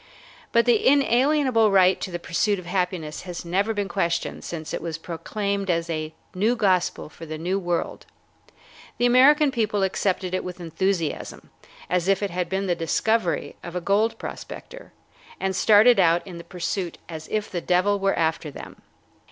But the inalienable right to the pursuit of happiness has never been questioned since it was proclaimed as a new gospel for the New World. The American people accepted it with enthusiasm, as if it had been the discovery of a gold prospector, and started out in the pursuit as if the devil were after them.